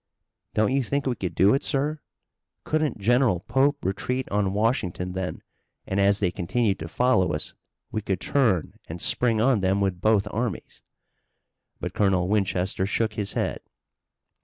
"Don't you think we could do it, sir? Couldn't General Pope retreat on Washington then, and, as they continued to follow us, we could turn and spring on them with both armies." But Colonel Winchester shook his head.